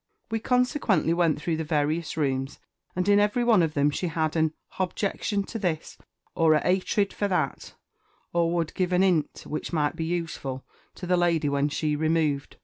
We consequently went through the various rooms, and in every one of them she had "an _h_objection to this," or "a 'atred for that," or would give "an 'int which might be useful" to the lady when she removed.